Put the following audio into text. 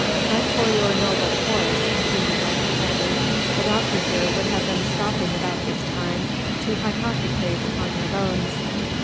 "But for your noble horse," continued my companion, "the doctor here would have been stopping about this time to hypothecate upon your bones.